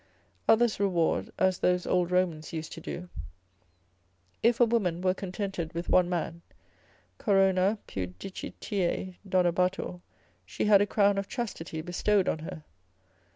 Others reward, as those old Romans used to do; if a woman were contented with one man, Corona pudicitiae donabatur, she had a crown of chastity bestowed on her.